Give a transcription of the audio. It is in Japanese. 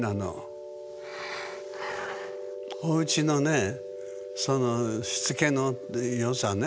おうちのねそのしつけのよさね。